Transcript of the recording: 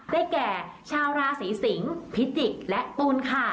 ได้แก่ชาวราศีสิงศ์พิจิกษ์และตุลค่ะ